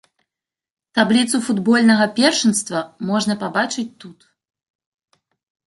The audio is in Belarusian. Табліцу футбольнага першынства можна пабачыць тут.